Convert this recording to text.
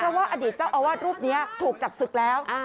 ถ้าว่าอดีตเจ้าอาวาสรูปเนี้ยถูกจับศึกแล้วอ่า